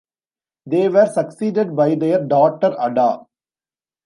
They were succeeded by their daughter Ada.